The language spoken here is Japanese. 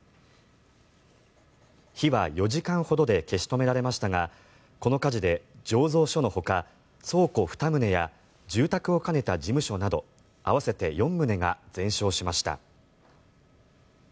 火は４時間ほどで消し止められましたがこの火事で醸造所のほか倉庫２棟や住宅を兼ねた事務所など合わせて４棟が全焼しました。